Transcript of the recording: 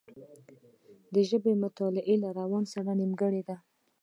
د ژبې مطالعه له روان سره نېمګړې ده